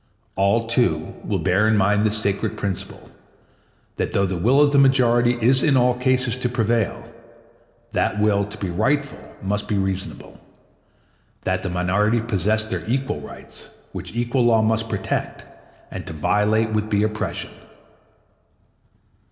All, too, will bear in mind this sacred principle, that though the will of the majority is in all cases to prevail, that will to be rightful must be reasonable; that the minority possess their equal rights, which equal law must protect, and to violate would be oppression.